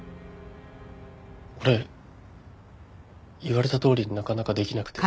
俺言われたとおりになかなかできなくて。